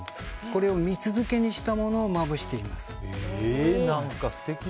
これを蜜漬けにしたものをまぶしています。